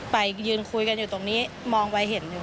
ไปยืนคุยกันอยู่ตรงนี้มองไปเห็นอยู่